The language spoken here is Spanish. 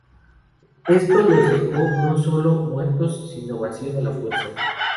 Esto los dejó no sólo muertos, sino vacío de la Fuerza.